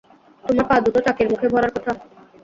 তোমার পা দুটো চাকির মুখে ভরার কথা?